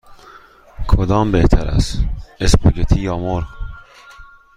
کدام بهتر است: اسپاگتی یا مرغ؟